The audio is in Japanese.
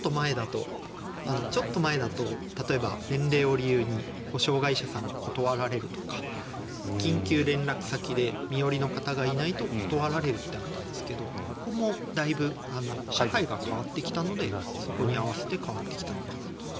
ちょっと前だと例えば年齢を理由に保証会社さんに断られるとか緊急連絡先で身寄りの方がいないと断られるってあったんですけどここもだいぶ社会が変わってきたのでそこに合わせて変わってきたのかなと。